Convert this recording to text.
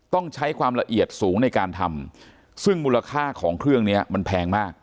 ต้องใช้ความละเอียดสูงในการทำซึ่งมูลค่าของเครื่องนี้มันแพงมาก